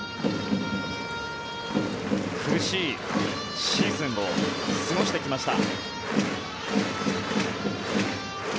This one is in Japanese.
苦しいシーズンを過ごしてきました。